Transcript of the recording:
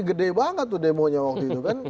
gede banget tuh demonya waktu itu kan